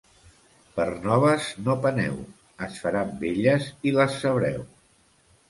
Per noves no peneu; es faran velles i les sabreu.